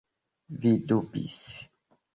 Vidu bis.